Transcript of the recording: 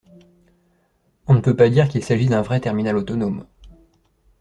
On ne peut pas dire qu'il s'agit d'un vrai terminal autonome.